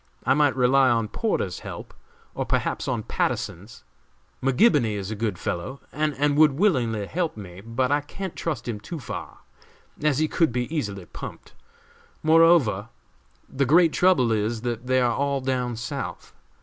I might rely on Porter's help, or perhaps on Patterson's. McGibony is a good fellow, and would willingly help me, but I can't trust him too far, as he could be easily pumped. Moreover, the great trouble is, that they are all down South.